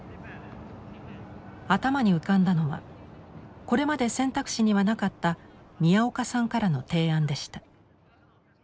頭に浮かんだのはこれまで選択肢にはなかった宮岡さんからの提案でした。